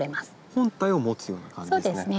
本体を持つような感じですね。